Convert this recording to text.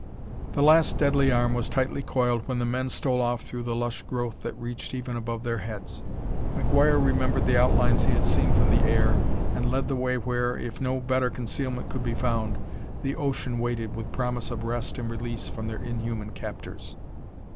The last deadly arm was tightly coiled when the men stole off through the lush growth that reached even above their heads. McGuire remembered the outlines he had seen from the air and led the way where, if no better concealment could be found, the ocean waited with promise of rest and release from their inhuman captors.